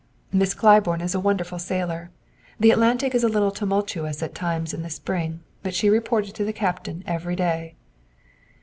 "Miss Claiborne is a wonderful sailor; the Atlantic is a little tumultuous at times in the spring, but she reported to the captain every day."